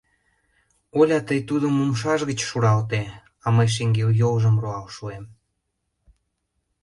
— Оля, тый тудым умшаж гыч шуралте, а мый шеҥгел йолжым руал шуэм.